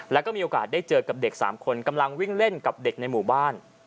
แล้วก็มีโอกาสได้เจอกับเด็ก๓คนกำลังวิ่งเล่นกับเด็กในหมู่บ้าน